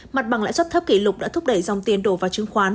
mặt bằng lãi suất thấp kỷ lục đã thúc đẩy dòng tiền đổ vào chứng khoán